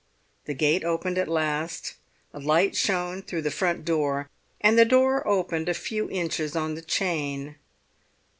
The gate opened at last, a light shone through the front door, and the door opened a few inches on the chain.